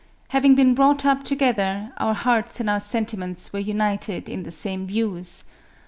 Having been brought up to gether, our hearts and our sentiments were united in the same views.